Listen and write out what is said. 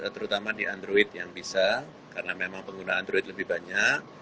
terutama di android yang bisa karena memang pengguna android lebih banyak